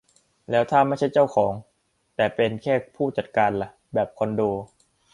แล้วถ้าไม่ใช่เจ้าของ แต่เป็นแค่ผู้จัดการล่ะ ? แบบคอนโด